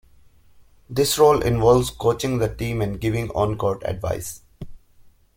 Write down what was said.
This role involves coaching the team and giving on-court advice.